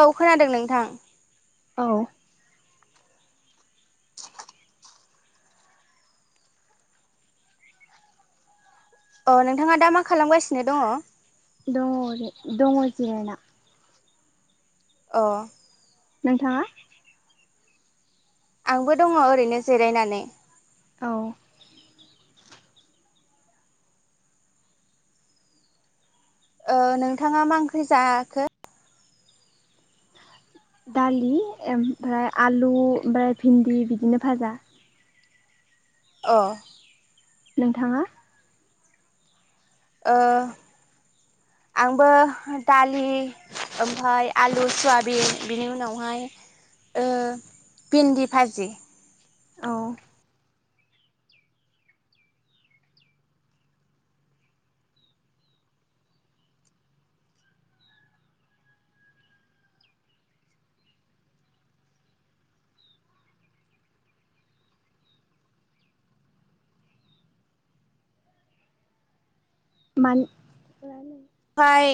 औ खोनादों नोंथां। औ। अ नोंथाङा दा मा खालामगासिनो दङ? दंङ ओरै दंङ जिरना। अ' नोंथाङा? आंबो दङ ओरैनो जिरायनानै। औ। ओ नोंथाङा मा ओंख्रि जायाखो? दालि ओमफ्राय आलु ओमफ्राय भिन्दि बिदिनो भाजा। अ नोंथाङा? ओ आंबो दालि ओमफाय आलु सुवाबिन बिनि उनावहाय ओ भिन्दि भाजि औ। मान फाय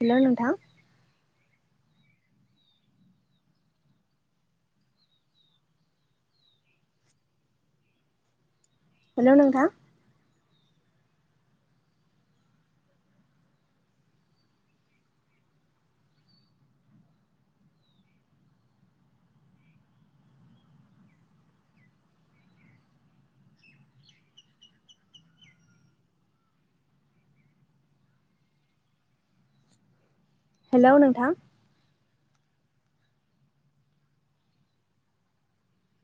हेल' नोंथां। हेल' नोंथां। हेल' नोंथां।